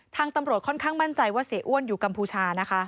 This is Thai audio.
ทางตำรวจค่อนข้างมั่นใจว่าเสียอ้วนอยู่กัมพูชานะคะ